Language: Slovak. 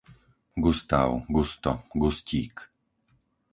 Gustáv, Gusto, Gustík